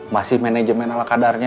masih manajemen ala kadarnya